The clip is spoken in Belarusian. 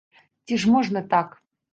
Ці ж можна так?